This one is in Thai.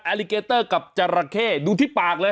ลิเกเตอร์กับจราเข้ดูที่ปากเลย